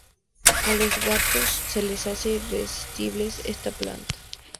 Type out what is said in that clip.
A los gatos se les hace irresistible esta planta.